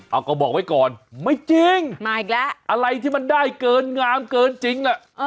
เอาก็บอกไว้ก่อนไม่จริงมาอีกแล้วอะไรที่มันได้เกินงามเกินจริงน่ะ